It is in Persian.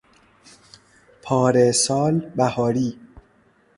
پارهسال بهاری